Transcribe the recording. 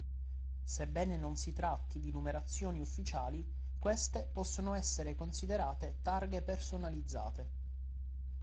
Sebbene non si tratti di numerazioni ufficiali, queste possono essere considerate targhe personalizzate.